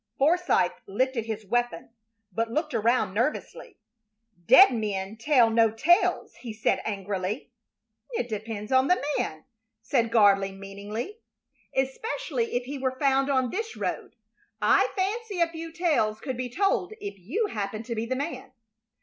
Forsythe lifted his weapon, but looked around nervously. "Dead men tell no tales," he said, angrily. "It depends upon the man," said Gardley, meaningly, "especially if he were found on this road. I fancy a few tales could be told if you happened to be the man.